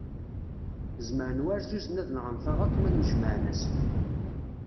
Zemren warzuzen ad nɣen taɣaṭ ma nnejmaɛen-as.